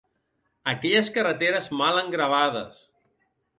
Aquelles carreteres mal engravades